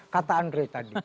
kata andre tadi